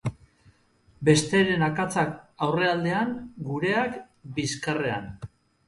Besteren akatsak aurrealdean; gureak, bizkarrean.